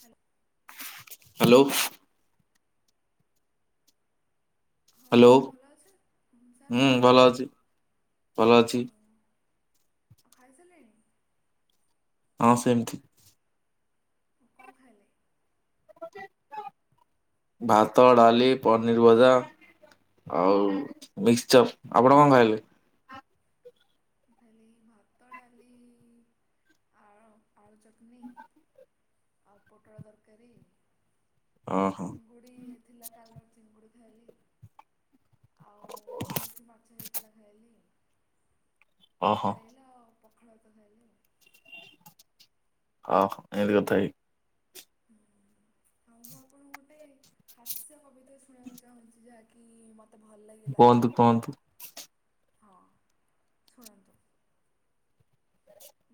Hello. Hello. ହଁ sir ଭଲ ଅଛନ୍ତି ସାର୍ ଭଲ ଅଛନ୍ତି। ଭଲ ଅଛି। ଖାଇ ସାରିଲେଣି। ହଁ ସେମିତି। କଣ ଖାଇଲେ? [unintelligible] ଭାତ, ଡାଲି, ପନିର୍ ଭଜା। ଆଉ ମିକ୍ସଚର ଆପଣ କଣ ଖାଇଲେ। ଖାଲି ଭାତ, ଡାଲି, ଆଳ ଆଳୁ ଚଟନି। ଆଉ ପୋଟଳ ତରକାରୀ। ଚିଙ୍ଗୁଡ଼ି ହେଇଥିଲା କାଲିର ଚିଙ୍ଗୁଡ଼ି ଖାଇଲି। ଆଉ ଇଲିଶି ମାଛ ହେଇଥିଲା ଖାଇଲି। ଭଲ ଲାଗିଲା ଆଉ ପଖାଳ ଭାତ ଖାଇଲି ଆଉ। ଓ ହୋ ଏମିତି କଥା କି। ହୁଁ। ଆଉ ମୁଁ ଆପଣଙ୍କୁ ଗୋଟେ ହାସ୍ୟ କବିତା ଶୁଣେଇବାକୁ ଚାହୁଁଚି ଯାହାକି ମ ତେ ଭଲ ଲାଗିଲା ହଁ ଶୁଣନ୍ତୁ।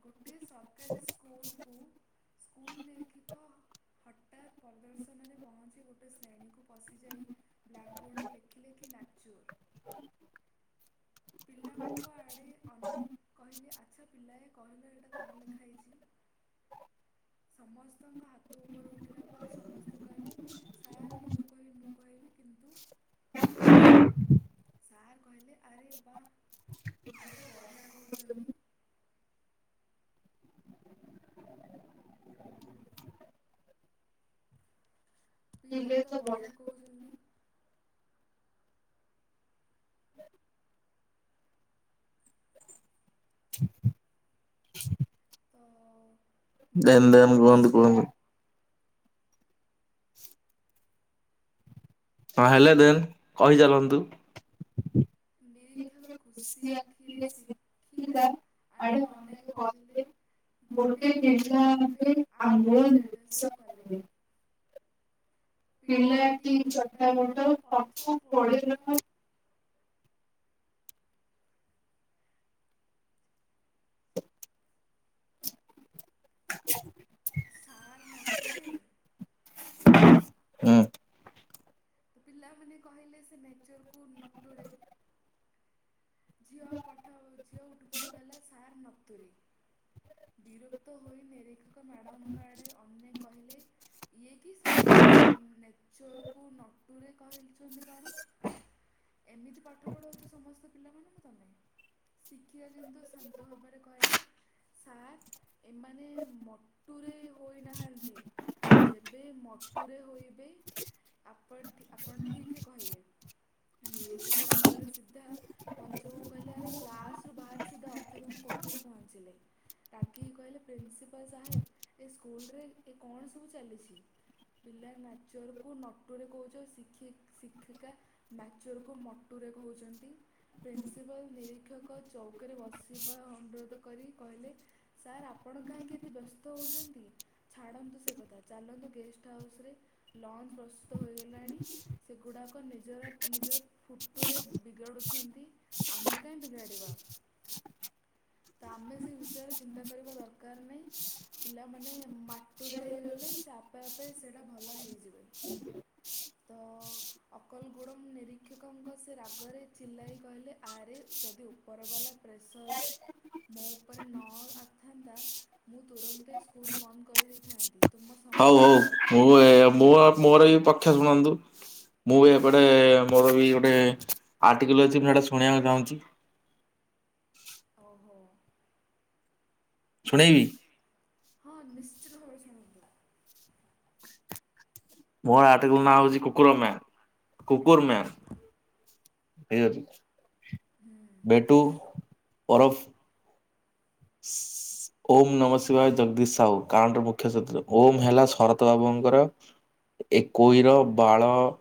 ଗୋଟେ ସରକାରୀ ସ୍କୁଲ୍ କୁ ସ୍କୁଲ୍ ନିରିକ୍ଷିକ। ହଠାତ୍ ପରିଦର୍ଶନରେ ପହଞ୍ଚି ଗୋଟେ ଶ୍ରେଣୀକୁ ପଶିଯାଇ ବ୍ଲାକବୋର୍ଡରେ ଲେଖିଲେ କି ନାଚୋ। [unintelligible] ପିଲାଙ୍କ ଆଡ଼େ ଅନେକ କହିଲେ ଆଚ୍ଛା ପିଲା ରେ କହିଲେ ଏଇଟା କଣ ଲେଖା ହେଇଚି। ସମସ୍ତଙ୍କ ହାତ ଉପରେ ଉଠିଲା ପରେ ସମସ୍ତେ କହିଲେ। ସାର୍ ମୁଁ କହିବି ମୁଁ କହିବି କିନ୍ତୁ। ସାର୍ କହିଲେ ଆରେ ବା ପିଲେତ ବଢ଼ିଆ କହୁଚନ୍ତି। ପିଲେ ତ ବଢିଆ କହୁଚନ୍ତି। [unintelligible] ଅ ଅ ଅ। ଦେନ୍ ଦେନ୍ କୁହନ୍ତୁ କୁହନ୍ତୁ। ହଁ ହେଲୋ ଦେନ୍ କହିଚାଲନ୍ତୁ। [unintelligible] ଗୋଟେ ଜିଲ୍ଲାରେ ଆନ୍ଦୋଳନ [unintelligible] ପିଲାଟି ଚଟା ବଟ ପଛ ପେଇ ରଖ ସାର୍ ମଟୁରେ ହୁଁ। ତ ପିଲାମାନେ କହିଲେ ସେ ନେଚରକୁ ନଟୁରେ। ଝିଅ ପାଠ ଝିଅ ଉଠି ପଡ଼ିକହିଲା ସାର୍ ନତୁରେ। ବିରକ୍ତ ହୋଇ ନିରୀଖକ ମ୍ୟାଡ଼ାମଙ୍କ ଆଡ଼େ ଅନେଇ କହିଲେ ଇଏ କିସ ଏମାନେ ନେଚରକୁ ନ ଦୂରେ କହିଛନ୍ତି କଣ ଏମିତି ପାଠ ପଢ଼ୁଛୁ ସମସ୍ତେ ପିଲାମାନଙ୍କୁ ତମେ ଶିକ୍ଷକ କିନ୍ତୁ ଶାନ୍ତ ଭାବରେ କହିଲେ ସାର୍ ଏମାନେ ମଟୁରେ ହୋଇନାହାନ୍ତି। ଯେବେ ମଟୁରେ ହୋଇବେ ଆପ ଆପଣ ଠିକ୍ କହିବେ। ନିରଖକ ରାଗରେ ସିଧା ପଞ୍ଚମ କହିଲେ ଆରେ କ୍ଲାସରୁ ବାହାରି ସିଧା ଅଥବମ କୋଠରୁ ପହଞ୍ଚିଲେ। ରାଗୀ କି କହିଲେ ପ୍ରିନ୍ସିପାଲ ସାହେବ ଏ ସ୍କୁଲରେ ଏ କଣ ସବୁ ଚାଲିଛି? ପିଲା ନାଚରକୁ ନଟୁରେ କହୁଛ ଶିଖି ଶିକ୍ଷିକା ମ୍ୟାଚରକୁ ମଟୁରେ କହୁଛନ୍ତି। ପ୍ରିନ୍ସିପାଲ ନିରୀକ୍ଷକ ଚୌକରେ ବସିବା ଅନୁରୋଧ କରି କହିଲେ ସାର୍ ଆପଣ କାହିଁକି ଏତେ ବ୍ୟସ୍ତ ହଉଛନ୍ତି। ଛାଡ଼ନ୍ତୁ ସେ କଥା ଚାଲନ୍ତୁ ଗେଷ୍ଟ ହାଉସରେ ଲଞ୍ଚ ପ୍ରସ୍ତୁତ ହୋଇଗଲାଣି ସେଗୁଡ଼ାକ ନିଜର ନିଜର ଫୁଟୁରେ ବିଗାଡ଼ୁଛନ୍ତି। ଆମେ କାହିଁ ବିିଗାଡ଼ିବା। ତ ଆମେ ସେ ବିଷୟରେ ଚିନ୍ତା କରିବା ଦରକାର ନାହିଁ ପିଲାମାନେ ମାଟୁରେ ହେଇଗଲେ ସେ ଆପେ ଆପେ ସେଇଟା ଭଲ ହେଇଯିବେ। ତ ଅକଲଗୁଡ଼ମ୍ ନିରୀକ୍ଷକଙ୍କ ସେ ରାଗରେ ଚିଲାଇ କହିଲେ ଆରେ ଯଦି ଉପର ବାଲା ପ୍ରେସର୍ ମୋ ଉପରେ ନ ଆଥାନ୍ତା ମୁଁ ତୁରନ୍ତ ସ୍କୁଲ ବନ୍ଦ କରିଦେଇଥାନ୍ତି। ତୁମ ସମସ୍ତଙ୍କୁ ଦରଖାସ୍ତ କରିଦେଇଥାନ୍ତି। ମୋର ବି ପକ୍ଷ ଶୁଣନ୍ତୁ। ମୁଁ ବି ଏପଟେ ମୋର ବି ଗୋଟେ ଆର୍ଟିକଲ ଅଛି ମୁଁ ସେଇଟା ଶୁଣିବାକୁ ଚାହୁଁଛି। ଓହୋ। ଶୁଣେଇବି? ହଁ ନିଶ୍ଚିତ ଭାବରେ ଶୁଣାନ୍ତୁ। ମୋର ଆର୍ଟିକିଲ ନାଁ ହେଉଛି କୁକୁର ମା କୁକୁର ମା। [unintelligible] ବେଟୁ ପରଫ ଓମ୍ ନମ ଶିବ ଜଗଦୀଶ ସାହୁ କାରଣ ମୁଖ୍ୟ ସତ୍ର ଓମ୍ ହେଲା ଶରତ ବାବୁଙ୍କର ଏକୋଇର ବାଳ - -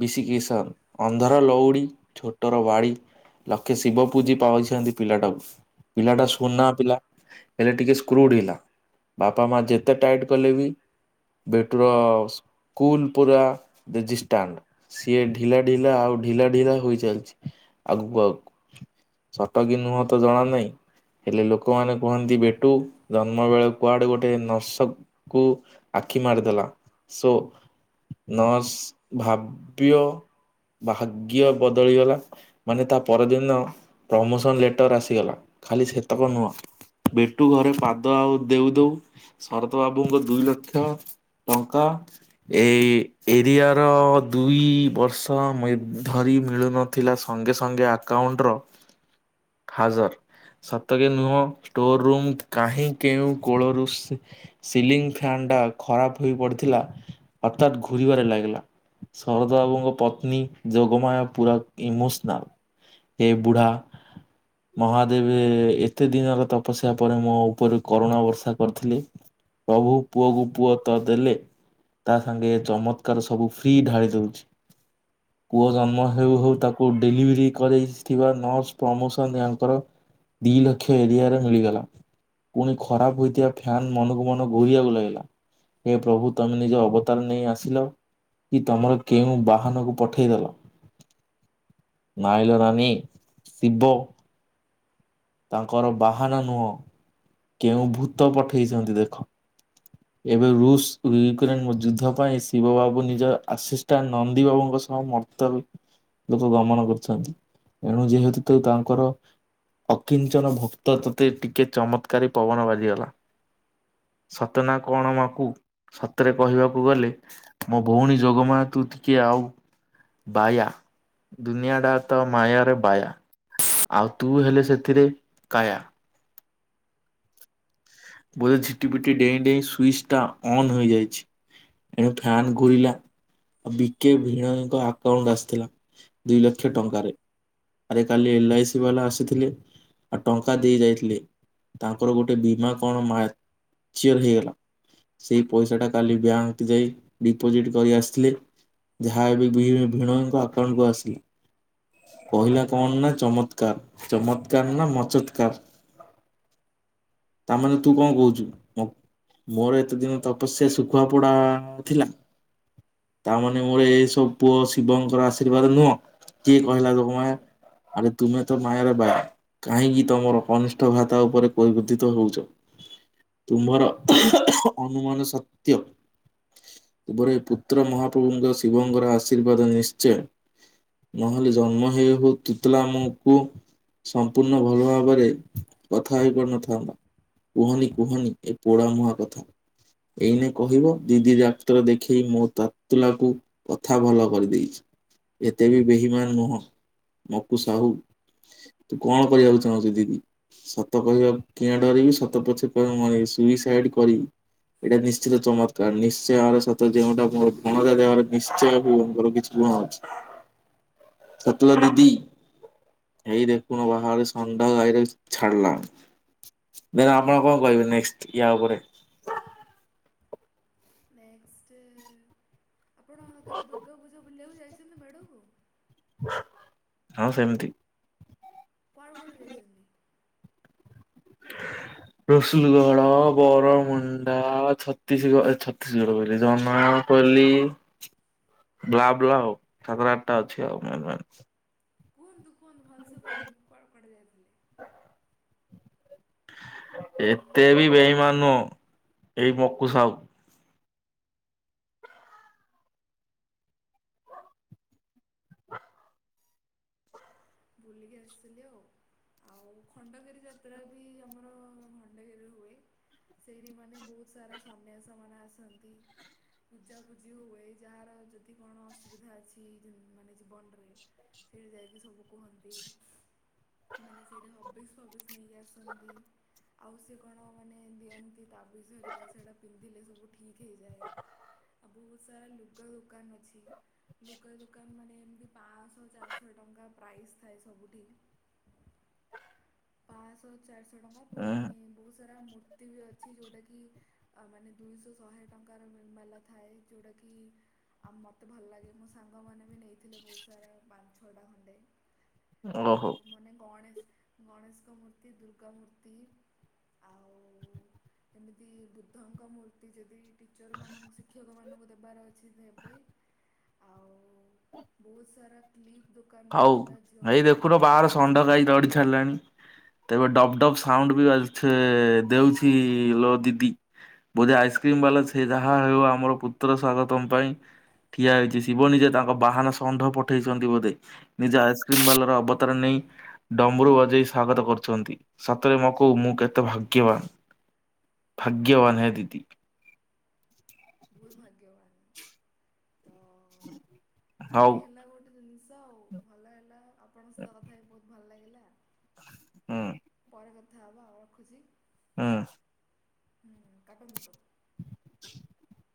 ବିଶ କିସର, ଅନ୍ଧର ଲଉଡି ଛୋଟର ବାଡି- - ଲକ୍ଷେ ଶିବ ପୂଜି ପାଉଚନ୍ତି ପିଲାଟାକୁ। ପିଲାଟା ଶୁନା ପିଲା। ହେଲେ ଟିକେ ସ୍କ୍ରୁଡ଼ ଡିଲା। ବାପା ମାଆ ଯେତେ ଟାଇଟ୍ କଲେ ବି ବେଟ୍ର କୁଲ ପୁରା ଡିଜିଷ୍ଟାଣ୍ଡ। ସିଏ ଢିଲା ଢିଲା ଆଉ ଢିଲା ଢିଲା ହୋଇ ଚାଲିଛି ଆଗକୁ ଆଗକୁ - - ସତ କିୀ ନୁହଁ ତ ଜଣା ନାହିଁ। ହେଲେ ଲୋକମାନୋନ କୁହନ୍ତି ବିଟୁ ଜନ୍ମ ବେଳ କୁଆଡେ ଗୋଟେ ନର୍ସ - - କୁ ଆଖି ମାରିଦେଲା ସୋ ନର୍ସ ଭା ପ୍ୟ ଭାଗ୍ୟ ବଦଳିଗଲା। ମାନେ ତା ପରଦିନ ପ୍ରମୋସନ୍ ଲେଟର୍ ଆସିଗଲା ଖାଲି ସେତକ ନୁହଁ। ବିଟୁ ଘରେ ପାଦ ଆଉ ଦେଉ ଦଉ। ଶରତ ବାବୁଙ୍କ ଦୁଇ ଲକ୍ଷ ଟଙ୍କା- - ଏଇ ଏରିଆ ର - - ଦୁଇ ବର୍ଷ ମୁଏ ଧରି ମିଳୁନଥିଲା ସଙ୍ଗେ ସଙ୍ଗେ ଆକାଉଣ୍ଟର- - ଖାଜର। ସତକ ନୁହଁ ଷ୍ଟୋର ରୁମ କାହିଁ କେଉଁ କୋଳରୁ ସ୍ ସିଲିଂ ଫ୍ୟାନ୍ ଟା ଖରାପ ହେଇ ପଡିଥିଲା ଅର୍ଥାତ୍ ଘୁରିବାରେ ଲାଗିଲା। ଶରତ ବାବୁଙ୍କ ପତ୍ନୀ ଯୋଗମାୟା ପୁରା ଇମୋସନାଲ। ଏ ବୁଢା ମହାଦେବ ଏତେ ଦିନର ତପସ୍ୟା ପରେ ମୋ ଉପରେ କରୁଣା ବର୍ଷା କରିଥିଲେ, - - ପ୍ରଭୁ ପୁଅକୁ ପୁଅ ତ ଦେଲେ, ତା ସାଙ୍ଗେ ଚମତ୍କାର ସବୁ ଫ୍ରି ଢାଳି - - ପୁଚ, ପୁଅ ଜନ୍ମ ହଉ ହଉ ତାକୁ ଡେଲିଭରି କରୋଇ ଥିବା ନର୍ସ ପ୍ରମୋସନ ଆଙ୍କର ଦିଲକ୍ଷ ଏରିଆରେ ମିଳିଗଲା। ପୁଣି ଖରାପ ହୋଇଥିବା ଫ୍ୟାନ ମନକୁ ମନ ଘୋରିବାକୁ ଲାଗିଲା। ହେ ପ୍ରଭୁ ତମେ ନିଜ ଅବତାର ନେଇ ଆସିଲ କି ତମର କେଉଁ ବାହାନକୁ ପଠେଇଦେଲ। ନାଇଲ ରାନି ଶିବୁ। ତାଙ୍କର ବାହାନା ନୁହଁ କେଉଁ ଭୂତ ପଠେଇଛନ୍ତି ଦେଖ। ଏବେ ରୁଷ ୟୁକ୍ରେନ ଯୁଦ୍ଧ ପାଇଁ ଶିବ ବାବୁ ନିଜର ଆଶିଷ୍ - - ତା ନନ୍ଦୀ ବାବୁଙ୍କ ସହ ମର୍ତ୍ତଲ- - ଲୋକ ଦମନ କରୁଛନ୍ତି ଏଣୁ ଯେହେତୁ ତ ତାଙ୍କର- - ଅକିଞ୍ଚନ ଭୁକ୍ତ ତତେ ଟିକେ ଚମତ୍କାରୀ ପବନ ବାଜିଗଲା। ସତନା କଣ ମାକୁ ସତରେ କହିବାକୁ ଗଲେ, ମୋ ଭଉଣୀ ଯଗମା- - ତୁ ଟିକେ ଆଉ ବାୟା ଦୁନିଆ ଟା ତ ମାୟାରେ ବାୟା। ଆଉ ତୁ ହେଲେ ସେଥିରେ କାୟା। ବୋଧେ ଝିଟି ପିଟି ଡେଇଁ ଡେଇଁ ସୁଇଚ୍ ଟା ଅନ୍ ହୋଇଯାଇଛି। ଏଣୁ ଫ୍ୟାନ ଘୁରିଲା। ଆଉ ବିକେ ଭିଣଙ୍କ ଆକାଉଣ୍ଟ ଆସିଥିଲା। ଦୁଇ ଲକ୍ଷ ଟଙ୍କାରେ। ଆରେ କାଲି ଏଲ ଆଇ ସି ବାଲା ଆସିଥିଲେ ଆଉ ଟଙ୍କା ଦେଇ ଯାଇଥିଲେ। ତାଙ୍କର ଗୋଟେ ବୀମା କଣ ମାଚିୟର ହେଇଗଲା। ସେଇ ପଇସାଟା କାଲି ବ୍ୟାଙ୍କ ଯାଇ ଡିପୋଜିଟ କରି ଆସିଥିଲେ। ଯାହା ଏବେ ଭିଣ ଭିଣଙ୍କ ଆକାଉଣ୍ଟକୁ ଆସିଲି। କହିଲା କଣ ନା ଚମତ୍କାର ଚମତ୍କାର ନା ମଚତ୍କାର। ତାମାନେ ତୁ କଣ କୋହୁଚୁ। ମୋର ଏତେ ଦିନି ତପସ୍ୟା ଶୁଖୁଆ ପୋଡା ଥିଲା। ତାମାନେ ମୋର ଏଇ ସବୁ ପୁଅ ଶିବଙ୍କର ଆଶୀର୍ବାଦ ନୁଅଁ କିଏ କହିଲା ଲୋ ମା ଆମେ ତୁମେ ତ ମାୟାରେ ବା କାହିଁକି ତମର କନିଷ୍ଟ ଭ୍ରାତା ଉପରେ କହିବଧି। କ୍ତ ହୋଉଚ ତୁମର ଅନୁମାନ ସତ୍ୟ ପ ରେ ପୁତ୍ର ମହାପ୍ରଭୁଙ୍କ ର ଶିବଙ୍କର ଆଶୀର୍ବାଦ ନିଶ୍ଚେ। ନହେଲେ ଜନ୍ମ ହେଇ ହୋଉ ତୁତୁଲା ମୁଁ କୁ ସମ୍ପୂର୍ଣ୍ଣ ଭଲ ଭାବରେ କଥା ହେଇ ପାରୁନଥାନ୍ତା। କୁହନି କୁହନି ଏ ପୋଡା ମୁହାଁ କଥା? ଏଇନେ କହିବ ଦିଦି ଡାକ୍ତର ଦେଖେଇ ମୋ ତାତୁଲାକୁ କଥା ଭଲ କରିଦେଇଚି ଏତେ ବି ବେହିମାନ ନୁହଁ ମକୁ ସାହୁ। ତୁ କଣ କରିବାକୁ ଚାହୁଁଚ ଦିଦି ସତ କହିବା କିଆଁ ଡରିବି ସତ ପଛେ ପରେ ମ ସୁଇସାଇଡ କରିବି। ଏଇଟା ନିଶ୍ଚିତ ଚମତ୍କାର ନିଶ୍ଚୟ ଆର ସତ ଯେଉଁଟା ଗଣତା ଦେରେ ନିଶ୍ଚୟ ବିର କିଛି ଗୁଣ ଅଛି। ହ। ସ ତୁ ତ ଦିଦି ଏଇ ଦେଖୁ ବାହାରେରେ ସଣ୍ଢ ଗାଈରେ ଛାଡ଼ିଲା ଫେରେ ଆପଣ କଣ କହିବେ ନେଷ୍ଟେ ୟା ଉପରେ। ନେକ୍ସଟେ ଆପଣ କେବେ ଦୁର୍ଗା ପୂଜା ବୁଲିବାକୁ ଯାଇଚନ୍ତି ମେଢ଼କୁ। ହଁ ସେମ୍ତି। କୁଆଡେ କୁଆଡେ ଦେଇଚନ୍ତି। ରସୁଲୁଗଡ଼ ବରମୁଣ୍ଡା ଛତିଶିଗଡ ଛତିଶିଗଡ଼ କ ହିଲେ ଜନା ପଲି। ହ। ବ୍ଲା ବ୍ଲା ସାତଟା ଆଠଟା ଅଛି ଆଉ ମ ମ କୁହନ୍ତୁ କୁହନ୍ତୁ ଭଲସେ କୁହନ୍ତୁ କୁଆଡେ କୁଆଡେ ଯାଇଥିଲେ। ଏତେ ବି ବେଈମାନ ନୁହଁ ଏଇ ମକୁ ସାହୁ। ଭୁଲିକି ଆସିି ଲି ଆଉ। ଆଉ ଖଣ୍ଡଗିରି ଯାତ୍ରା ବି ଆମର ଖଣ୍ଡଗିରିରେ ହୁଏ। ସେଇଠି ମାନେ ବୋହୁତ୍ ସାରା ସନ୍ନ୍ୟାସ ମାନେ ଆସନ୍ତି। ପୂଜା ଫୂଜି ହୁଏ ଯାହାର ଯଦି କଣ ଅସୁବିଧା ଅଛି ମାନେ ଜୀବନ୍ ରେ। ଫିର୍ ଯାଇକି ସବୁ କୁହନ୍ତି। ମାନେ ସେଇଠା ହବିସ୍ ଫବିସ୍ ନେଇକି ଆସନ୍ତି। ଆଉ ସେ କଣ ମାନେ ଦିଅନ୍ତି ତାବିଜ୍ ହରିକା ସେଇଡା ପିନ୍ଧିଲେ ସବୁ ଠିକ୍ ହେଇଯାଏ। ଆଉ ବୋହୁତ୍ ସାରା ଲୁଗା ଦୋକାନ ଅଛି। ଲୁଗା ଦୋକାନ ମାନେ ଏମିତି ପାଁଶହ ଚାରିଶହ ଟଙ୍କା ପ୍ରାଇସ୍ ଥାଏ ସବୁଠି? ପାଁଶହ ଚାରିଶହ ଟଙ୍କା ପୁଣି ବୋହୁତ ସାରା ମୂର୍ତ୍ତି ବି ଅଛି ଯେଉଟା କିି ଆ ମାନେ ଦୁଇଶହ ଶହେ ଟଙ୍କାର ମାଲା ଥାଏ ଯୋଉଟା କିି ଆଉ ମତେ ଭଲ ଲାଗେ ମୋ ସାଙ୍ଗମାନେ ବି ନେଇଥିଲେ ବୋହୁତ ସାରା ପାଞ୍ଚ ଛଅଟା ଖଣ୍ଡେ। ଠାକୁ ମାନେ ଗଣେଶ୍ ଗଣେଶଙ୍କ ମୂର୍ତ୍ତି ଦୁର୍ଗା ମୂର୍ତ୍ତି ଆଉ ଏମିତି ବୁଦ୍ଧଙ୍କ ମୂର୍ତ୍ତି ଯଦି ଟିଚର ମାନଙ୍କୁ ଶିକ୍ଷକମାନଙ୍କୁ ଦେବାର ଅ ଥିବେ ଏବେ ଆଉ ବୋହୁତ ସାରା କ୍ଲିପ୍ ଦୋକାନରେ ଥିଲା ଯୋଉଟାକି ଝିଅମାନେ ହେଲନ [inaudible] ତେବେ ଡପ୍ ଡପ୍ ସାଉଣ୍ଡ ବି ବାଜୁଛି ଦେଉଛି ଲୋ ଦିଦି। ବୋଧେ ଆଇସ୍କ୍ରିମ ବାଲା ସେ ଯାହା ହଉ ଆମର ପୁତ୍ର ସ୍ୱାଗତମ ପାଇଁ। ଠିଆ ହେଇଛି ଶିବ ନିଜେ ତାଙ୍କ ବାହାନ ଷଣ୍ଢ ପଠେଇଛନ୍ତି ବୋଧେ। ନିଜ ଆଇସ୍କ୍ରିମ୍ ବାଲାର ଅବତାର ନେଇ ଡମ୍ବରୁ ବଜେଇ ସ୍ଵାଗତ କରୁଛନ୍ତି ସତରେ ମକୁ ମୁଁ କେତେ ଭାଗ୍ୟବାନ। ଭାଗ୍ୟବାନ ହେ ଦିଦି। ବହୁତ ଭାଗ୍ୟବାନ୍। ତ ଏମିତି ହେଲା ଗୋଟେ ଜିନିଷ ଆଉ ଭଲ ହେଲା। ଆପଣଙ୍କ ସହିତ କଥା ହେଇକି ବହୁତ ଭଲ ଲାଗିଲା। ହଁ। ପରେ କଥା ହେବା ଆଉ ରଖୁଛି। ହୁଁ। ଉ କାଟନ୍ତୁ। [inaudible]